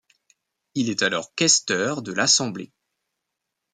Il est alors questeur de l'Assemblée.